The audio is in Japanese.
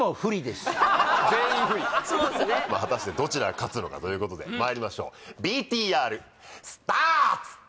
全員不利果たしてどちらが勝つのかということでまいりましょうＶＴＲスターツ